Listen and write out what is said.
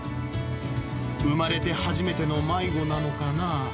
生まれて初めての迷子なのかな。